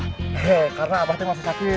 he karena abah teng masih sakit